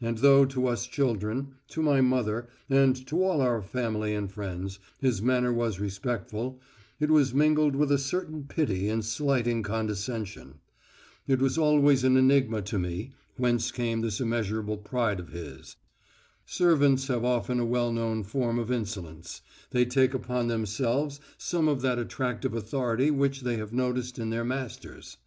And though to us children, to my mother, and to all our family and friends, his manner was respectful, it was mingled with a certain pity and slighting condescension. It was always an enigma to me whence came this immeasurable pride of his. Servants have often a well known form of insolence; they take upon themselves some of that attractive authority which they have noticed in their masters.